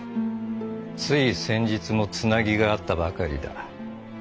つい先日もつなぎがあったばかりだ。